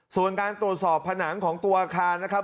ส่วนการตรวจสอบผนังของตัวอาคารนะครับ